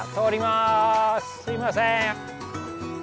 すみません。